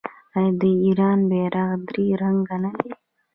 آیا د ایران بیرغ درې رنګه نه دی؟